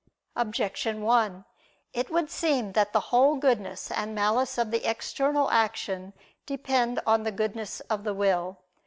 Objection 1: It would seem that the whole goodness and malice of the external action depend on the goodness of the will.